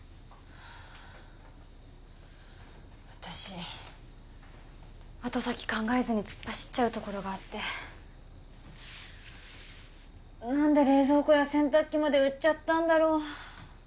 私後先考えずに突っ走っちゃうところがあって何で冷蔵庫や洗濯機まで売っちゃったんだろう